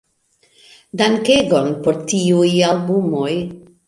Dankegon por tiuj albumoj!